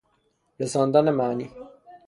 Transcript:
رساندن معنی